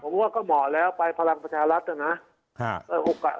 ผมว่าก็เหมาะแล้วไปพลังประชารัฐนะ